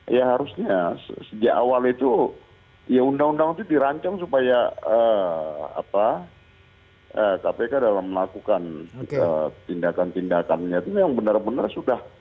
ya harusnya sejak awal itu ya undang undang itu dirancang supaya kpk dalam melakukan tindakan tindakannya itu memang benar benar sudah